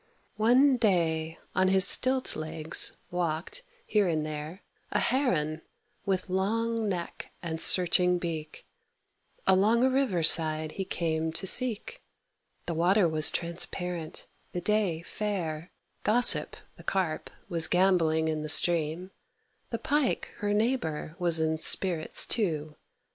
One day, on his stilt legs, walked, here and there, A Heron, with long neck and searching beak; Along a river side he came to seek. The water was transparent, the day fair, Gossip, the Carp, was gambolling in the stream: The Pike, her neighbour, was in spirits, too.